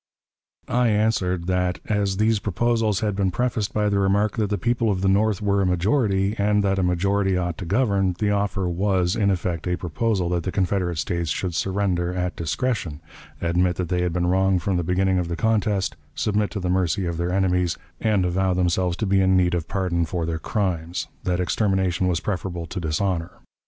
I answered that, as these proposals had been prefaced by the remark that the people of the North were a majority, and that a majority ought to govern, the offer was, in effect, a proposal that the Confederate States should surrender at discretion, admit that they had been wrong from the beginning of the contest, submit to the mercy of their enemies, and avow themselves to be in need of pardon for their crimes; that extermination was preferable to dishonor.